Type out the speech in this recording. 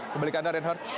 kembali ke anda renhardt